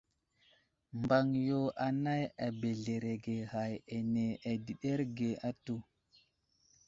Mbaŋ yo anay abəzləreege ghay áne adəɗerge atu.